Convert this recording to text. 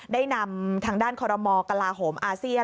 ได้นำทางด้านคอรมกลาโหมอาเซียน